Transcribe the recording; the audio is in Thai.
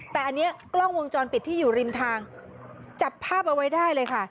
แต่อันนี้กล้องวงจรปิดที่อยู่ริมทางจับภาพเอาไว้ได้เลยค่ะ